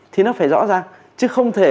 thì nó phải rõ ràng chứ không thể